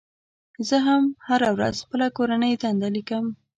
زه هم هره ورځ خپله کورنۍ دنده لیکم.